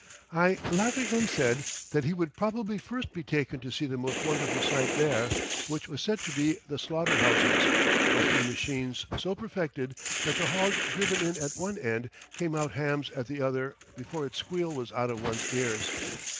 I laughingly said that he would probably first be taken to see the most wonderful sight there, which was said to be the slaughter houses, with new machines so perfected that the hog driven in at one end came out hams at the other before its squeal was out of one's ears.